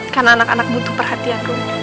karena anak anak butuh perhatian rom